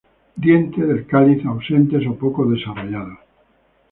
Dientes del cáliz ausentes o poco desarrollados.